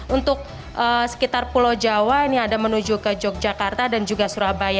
untuk sekitar pulau jawa ini ada menuju ke yogyakarta dan juga surabaya